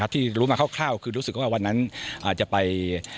ที่รู้มาคร่าวคือรู้สึกว่าวันนั้นอาจจะไป